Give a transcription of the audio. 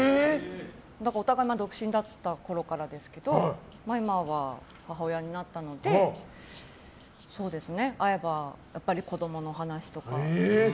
お互い独身だったころからですけど今は母親になったので会えば子供の話とか。